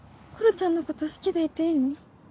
ちゃんのこと好きでいていいの？